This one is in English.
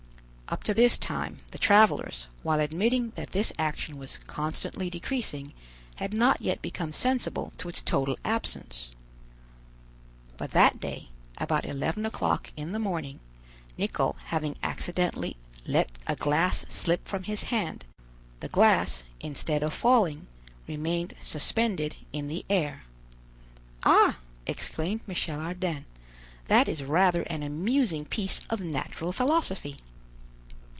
Up to this time, the travelers, while admitting that this action was constantly decreasing, had not yet become sensible to its total absence. But that day, about eleven o'clock in the morning, Nicholl having accidentally let a glass slip from his hand, the glass, instead of falling, remained suspended in the air. "Ah!" exclaimed Michel Ardan, "that is rather an amusing piece of natural philosophy."